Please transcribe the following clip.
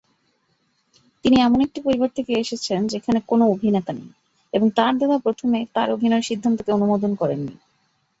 তিনি এমন একটি পরিবার থেকে এসেছেন যেখানে কোনও অভিনেতা নেই, এবং তার দাদা প্রথমে তার অভিনয়ের সিদ্ধান্তকে অনুমোদন করেননি।